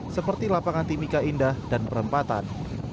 seperti lapangan timika indah dan perempatan